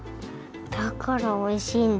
だからおいしいんだ。